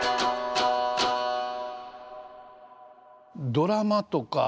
ドラマとか